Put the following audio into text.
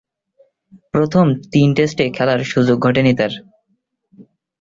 প্রথম তিন টেস্টে খেলার সুযোগ ঘটেনি তার।